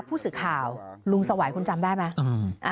พูดสินคิดข่าวลุงสวัยคุณจำได้ไหม